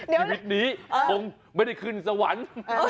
ชีวิตนี้คงไม่ได้ขึ้นสวรรค์